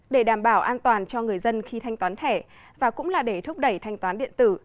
để đảm bảo an toàn cho người dân khi thanh toán thẻ và cũng là để thúc đẩy thanh toán điện tử